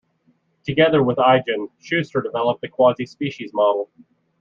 Together with Eigen, Schuster developed the quasispecies model.